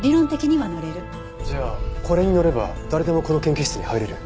じゃあこれに乗れば誰でもこの研究室に入れる？